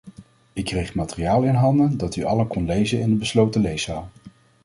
Ik kreeg materiaal in handen dat u allen kon lezen in de besloten leeszaal.